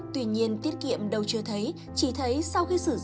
tuy nhiên tiết kiệm đâu chưa thấy chỉ thấy sản phẩm nhuộm tóc trên mạng